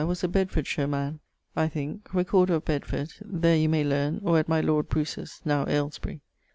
was a Bedfordshire man, I thinke; recorder of Bedford there you may learne, or at my lord Bruce's (now Alesbury).